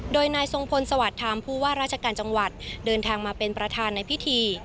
โดยนายทรงพลสวัสดิ์ธรรมผู้ว่าราชการจังหวัดเดินทางมาเป็นประธานในพิธี